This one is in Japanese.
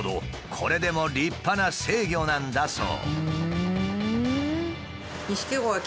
これでも立派な成魚なんだそう。